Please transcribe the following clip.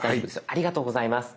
ありがとうございます。